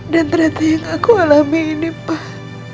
dan ternyata yang aku alami ini pak